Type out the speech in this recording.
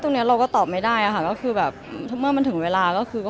ตรงนี้เราก็ตอบไม่ได้ค่ะก็คือแบบเมื่อมันถึงเวลาก็คงจะใช่เองค่ะ